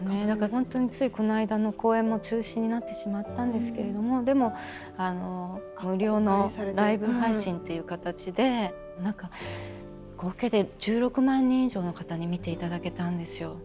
だから本当についこの間の公演も中止になってしまったんですけれどもでも無料のライブ配信っていう形で何か合計で１６万人以上の方に見ていただけたんですよ。